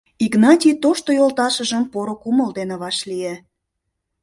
Игнатий тошто йолташыжым поро кумыл дене вашлие.